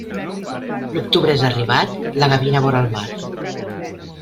L'octubre és arribat, la gavina vora el mar.